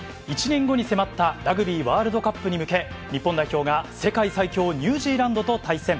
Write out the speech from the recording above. １年後に迫ったラグビーワールドカップに向け、日本代表が、世界最強、ニュージーランドと対戦。